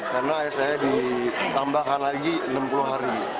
karena ayah saya ditambahkan lagi enam puluh hari